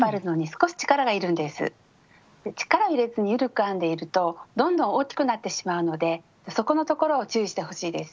力を入れずに緩く編んでいるとどんどん大きくなってしまうのでそこのところを注意してほしいです。